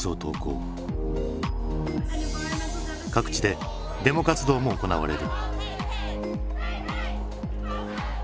各地でデモ活動も行われる。